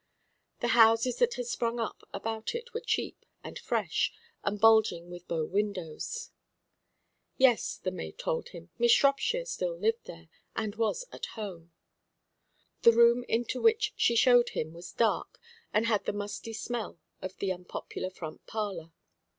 The houses that had sprung up about it were cheap and fresh, and bulging with bow windows. "Yes," the maid told him, "Miss Shropshire still lived there, and was at home." The room into which she showed him was dark, and had the musty smell of the unpopular front parlour.